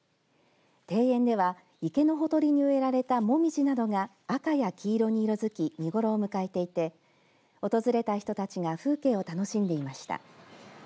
庭園では池のほとりに植えられた紅葉などが赤や黄色に色づき見頃を迎えていて訪れた人たちが風景を楽しんでいました。